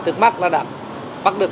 trước mắt là đã bắt được